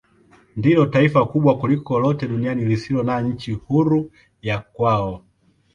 Ndilo taifa kubwa kuliko lote duniani lisilo na nchi huru ya kwao.